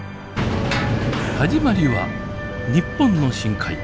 始まりは日本の深海。